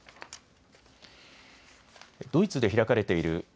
ドイツで開かれているＧ７